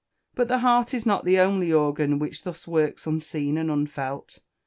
But the heart is not the only organ which thus works unseen and unfelt.